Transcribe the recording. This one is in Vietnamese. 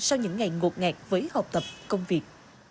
sau những ngày ngột ngạt với học tập công việc